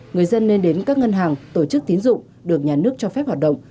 người dân nên đến các ngân hàng tổ chức tín dụng được nhà nước cho phép hoạt động